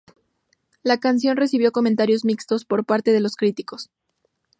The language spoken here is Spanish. La canción recibió comentarios mixtos por parte de los críticos.